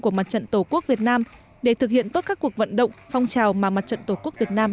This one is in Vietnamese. của mặt trận tổ quốc việt nam để thực hiện tốt các cuộc vận động phong trào mà mặt trận tổ quốc việt nam